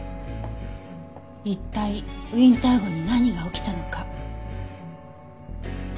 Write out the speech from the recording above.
一体ウィンター号に何が起きたのか。